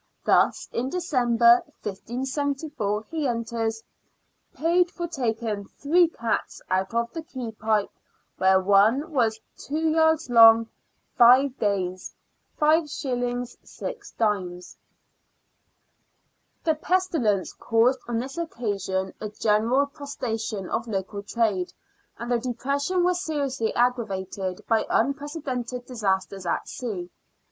Thus, in December, 1574, he enters :—" Paid for taking three cats out of the key pipe, where one was two yards long, five days, 5s. 6d." The pestilence caused on this occasion a general prostra tion of local trade, and the depression was seriously aggravated by unprecedented disasters at sea.